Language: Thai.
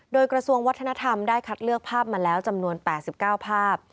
โดยกระทรวงวัฒนธรรมได้คัดเลือกภาพมาแล้วจำนวน๘๙ภาพ